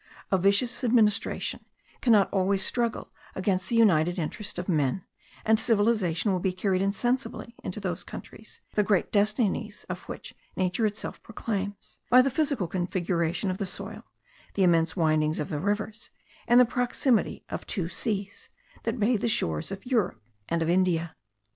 A vicious administration cannot always struggle against the united interest of men; and civilization will be carried insensibly into those countries, the great destinies of which nature itself proclaims, by the physical configuration of the soil, the immense windings of the rivers, and the proximity of two seas, that bathe the shores of Europe and of India.